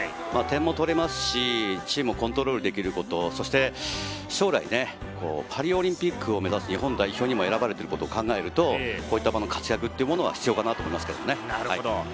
点も取れますし、チームをコントロールできること、そして将来、パリオリンピックを目指す日本代表にも選ばれているということを考えると、こういった場での活躍は必要かなと思います。